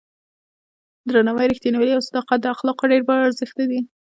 درناوی، رښتینولي او صداقت د اخلاقو مهم ارزښتونه دي.